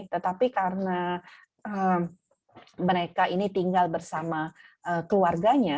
tetapi karena mereka ini tinggal bersama keluarganya